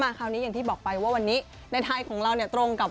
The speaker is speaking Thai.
ที่เรามาถึงกันวันนี้คุณผู้ชม